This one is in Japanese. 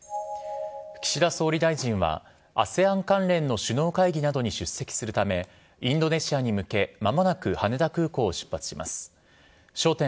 岸田総理大臣は、ＡＳＥＡＮ関連の首脳会議などに出席するため、インドネシアに向け、まもなく羽田空港を出発します。